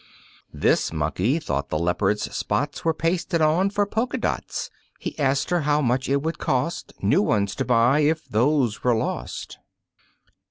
This monkey thought the Leopard's spots Were pasted on for polka dots, He asked her how much it would cost New ones to buy if those were lost.